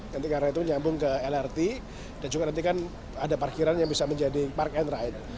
nanti karena itu nyambung ke lrt dan juga nanti kan ada parkiran yang bisa menjadi park and ride